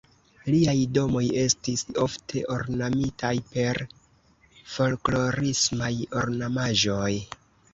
Liaj domoj estis ofte ornamitaj per folklorismaj ornamaĵoj.